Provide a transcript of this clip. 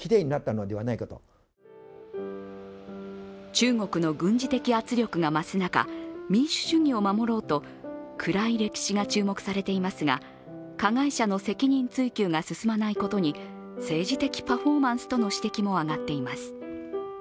中国の軍事的圧力が増す中、民主主義を守ろうと暗い歴史が注目されていますが加害者の責任追及が進まないことに政治的パフォーマンスとの指摘も上がっています。